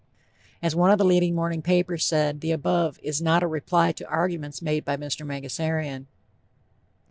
As one of the leading morning papers said, the above "is not a reply to arguments made by Mr. Mangasarian."